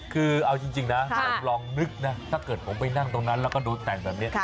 คือเอาจริงนะผมลองนึกนะถ้าเกิดผมไปนั่งตรงนั้นแล้วก็โดนแต่งแบบนี้